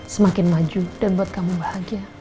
semakin maju dan buat kamu bahagia